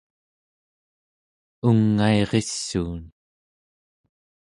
ungairissuun